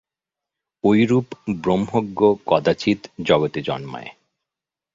ঐরূপ ব্রহ্মজ্ঞ কদাচিৎ জগতে জন্মায়।